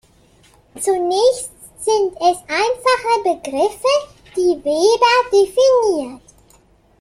Zunächst sind es einfache Begriffe, die Weber definiert.